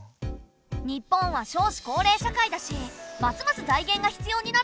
日本は少子高齢社会だしますます財源が必要になると思うよ。